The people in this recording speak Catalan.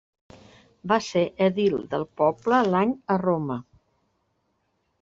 Va ser edil del poble l'any a Roma.